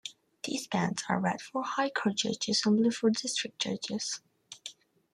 These bands are red for High Court judges and blue for District Judges.